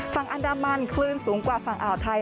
ฝั่งอันดามันคลื่นสูงกว่าฝั่งอ่าวไทย